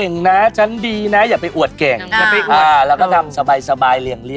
ก็ทำดีดีนะอย่าไปอวดเก่งเราก็ทำสบายเรียงไป